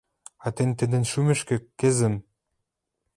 А тӹнь тӹдӹн шӱмӹшкӹ — кӹзӹм!